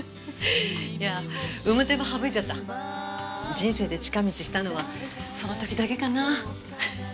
人生で近道したのはその時だけかな。